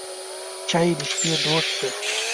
چای د شپې دوست دی.